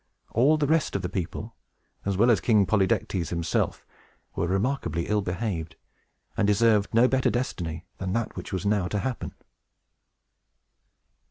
All the rest of the people, as well as King Polydectes himself, were remarkably ill behaved, and deserved no better destiny than that which was now to happen.